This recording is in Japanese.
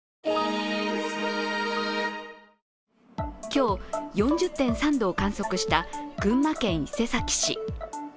今日、４０．３度を観測した群馬県伊勢崎市。